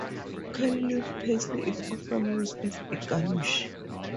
Curly leaf parsley is often used as a garnish.